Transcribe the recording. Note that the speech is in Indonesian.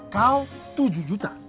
kau tujuh juta